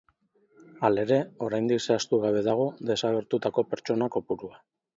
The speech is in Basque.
Halere, oraindik zehaztugabe dago desagertutako pertsona kopurua.